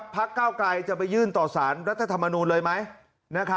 พักเก้าไกลจะไปยื่นต่อสารรัฐธรรมนูลเลยไหม